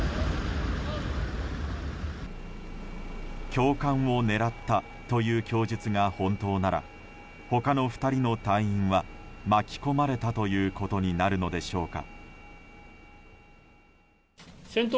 教官を狙ったという供述が本当なら他の２人の隊員は巻き込まれたということになるのでしょうか。